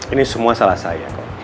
ini semua salah saya